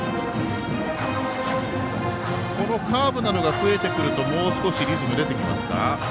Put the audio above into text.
このカーブなどが増えてくるともう少しリズムが出てきますか？